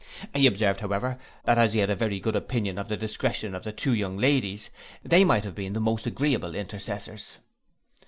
He observed, however, that as he had a very good opinion of the discretion of the two young ladies, they might have been the most agreeable intercessors.